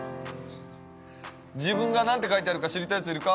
自分が何て書いてあるか知りたいヤツいるか？